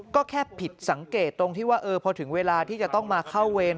ก็แค่ผิดสังเกตตรงที่ว่าพอถึงเวลาที่จะต้องมาเข้าเวร